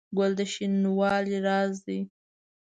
ګل د شینوالي راز دی.